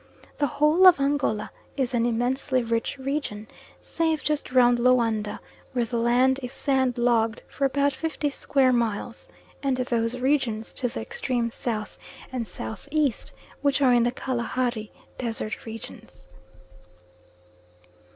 The whole of Angola is an immensely rich region, save just round Loanda where the land is sand logged for about fifty square miles, and those regions to the extreme south and south east, which are in the Kalahari desert regions.